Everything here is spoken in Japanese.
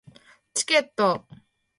チケット